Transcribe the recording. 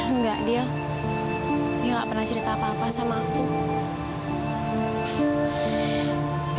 enggak dia dia nggak pernah cerita apa apa sama aku